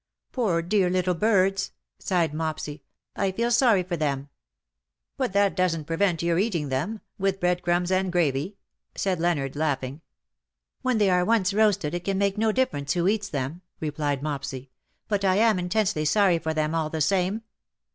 "'''^* Poor dear little birds V sighed Mopsy ;" I feel so sorry for them/^ ''But that doesnH prevent your eating them, with breadcrumbs and gravy,"' ' said Leonard, laughing. ''When they are once roasted, it can make no diflFerence who eats them/^ rejilied Mopsy ;^' but I am intensely sorry for them all the same."